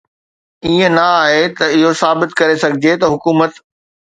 ائين نه آهي ته اهو ثابت ڪري سگهجي ته حڪومت